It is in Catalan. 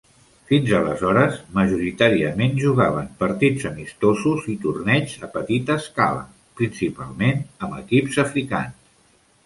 Fins aleshores, majoritàriament jugaven partits amistosos i torneigs a petita escala, principalment amb equips africans.